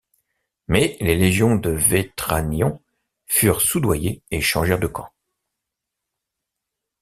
Mais les légions de Vétranion furent soudoyées et changèrent de camp.